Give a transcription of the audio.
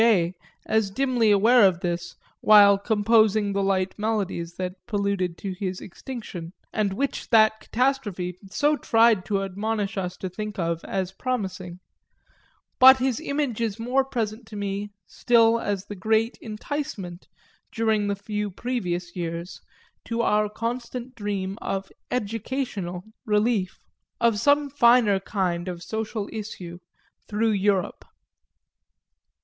J. as dimly aware of this while composing the light melodies that preluded to his extinction, and which that catastrophe so tried to admonish us to think of as promising; but his image is more present to me still as the great incitement, during the few previous years, to our constant dream of "educational" relief, of some finer kind of social issue, through Europe.